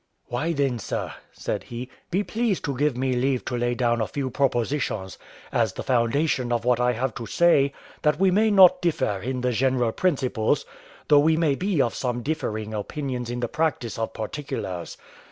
"Why, then, sir," said he, "be pleased to give me leave to lay down a few propositions, as the foundation of what I have to say, that we may not differ in the general principles, though we may be of some differing opinions in the practice of particulars.